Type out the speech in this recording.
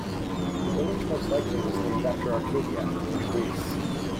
The village most likely was named after Arcadia, in Greece.